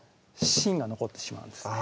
芯が残ってしまうんですね